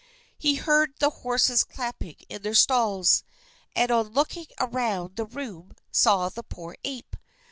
He heard the horses champing in their stalls, and on looking around the room saw the poor ape.